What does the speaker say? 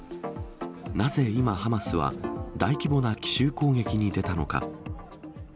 なぜ今、ハマスは、大規模な奇襲攻撃に出たのか。